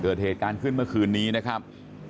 เกิดเหตุการณ์ขึ้นเมื่อคืนนี้นะครับ